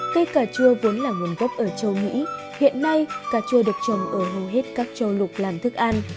cây cà chua vốn là nguồn gốc ở châu mỹ hiện nay cà chua được trồng ở hầu hết các châu lục làm thức ăn